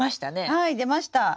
はい出ました。